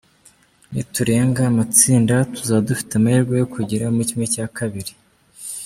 Niturenga amatsinda, tuzaba dufite amahirwe yo kugera muri ½.